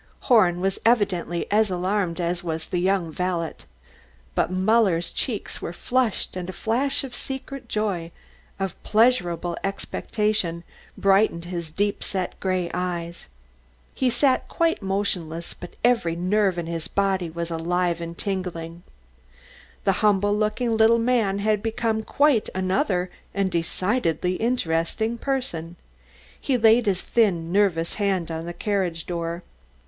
Horn was evidently as alarmed as was the young valet. But Muller's cheeks were flushed and a flash of secret joy, of pleasurable expectation, brightened his deep set, grey eyes. He sat quite motionless, but every nerve in his body was alive and tingling. The humble looking little man had become quite another and a decidedly interesting person. He laid his thin, nervous hand on the carriage door.